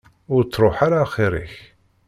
Ur ttruḥ ara axir-ik.